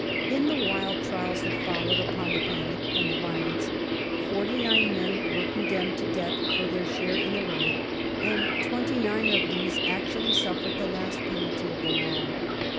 In the wild trials that followed upon the panic and the violence forty nine men were condemned to death for their share in the riot, and twenty nine of these actually suffered the last penalty of the law.